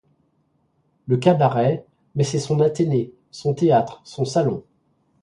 Le cabaret, mais c’est son athénée, son théâtre, son salon.